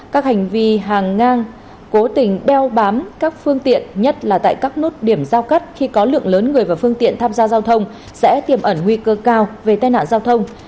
các hành vi hàng ngang cố tình đeo bám các phương tiện nhất là tại các nút điểm giao cắt khi có lượng lớn người và phương tiện tham gia giao thông sẽ tiềm ẩn nguy cơ cao về tai nạn giao thông